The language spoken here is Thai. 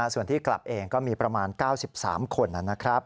ส่วนที่กลับเองก็มีประมาณ๙๓คนนะครับ